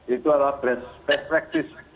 itu adalah best practice